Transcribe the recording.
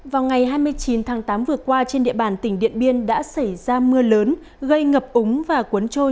vào ngày hai mươi chín tháng tám vừa qua trên địa bàn tỉnh điện biên đã xảy ra mưa lớn gây ngập úng và cuốn trôi